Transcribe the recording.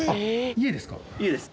家です。